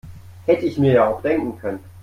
Hätte ich mir ja auch denken können.